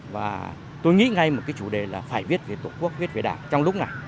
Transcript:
và tôi nghĩ ngay một cái chủ đề là phải viết về tổ quốc viết về đảng trong lúc này